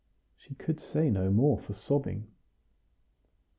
She could say no more for sobbing.